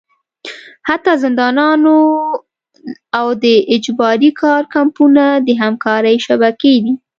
حتی زندانونه او د اجباري کار کمپونه د همکارۍ شبکې دي.